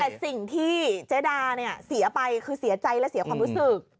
แต่สิ่งที่เจดาเนี่ยเสียไปคือเสียใจและเสียความรู้สึก